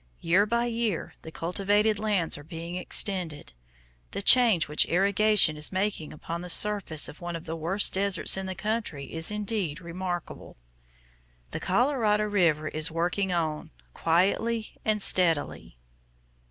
Year by year the cultivated lands are being extended. The change which irrigation is making upon the surface of one of the worst deserts in the country is indeed remarkable. The Colorado River is working on quietly and steadily.